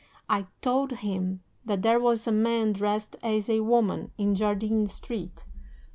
I told him that there was a man dressed as a woman in Jardines Street.